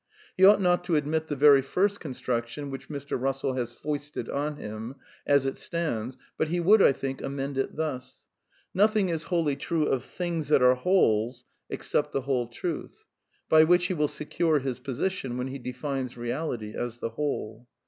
He ought not to admit the very THE NEW REALISM 191 first construction which Mr. Bussell has foisted on him, as it stands, but he would, I think, amend it thus: Noth ing is wholly true of things that are wholes except the whole truth ; by which he wiU secure his position when he defines Reality as the Whole.